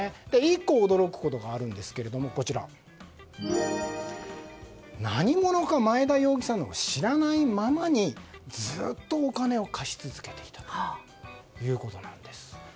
１個、驚くことがあるんですがマエダ容疑者が何者かを知らないままにずっとお金を貸し続けてきたということなんです。